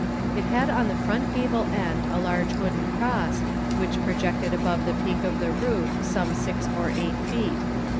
It had on the front gable end a large wooden cross, which projected above the peak of the roof some six or eight feet.